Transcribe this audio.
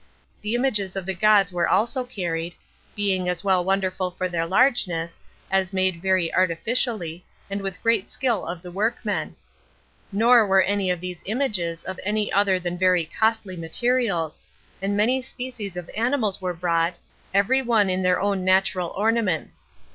The images of the gods were also carried, being as well wonderful for their largeness, as made very artificially, and with great skill of the workmen; nor were any of these images of any other than very costly materials; and many species of animals were brought, every one in their own natural ornaments.